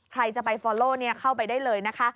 ใครจะไปฟอลโลเข้าไปได้เลยนะคะ